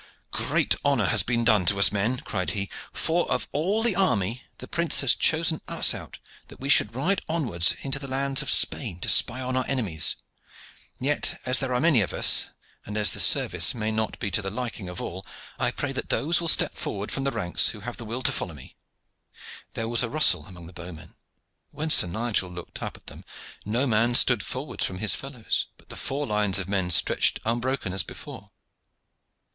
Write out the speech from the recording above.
"Great honor has been done to us, men," cried he: "for, of all the army, the prince has chosen us out that we should ride onwards into the lands of Spain to spy upon our enemies. Yet, as there are many of us, and as the service may not be to the liking of all, I pray that those will step forward from the ranks who have the will to follow me." There was a rustle among the bowmen, but when Sir Nigel looked up at them no man stood forward from his fellows, but the four lines of men stretched unbroken as before.